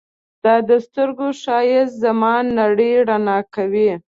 ستا د سترګو ښایست زما نړۍ رڼا کوي.